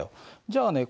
じゃあね